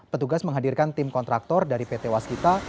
petugas menghadirkan tim kontraktor dari pt waskita